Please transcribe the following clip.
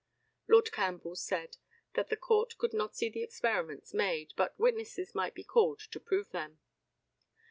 Lord CAMPBELL said that the Court could not see the experiments made, but witnesses might be called to prove them.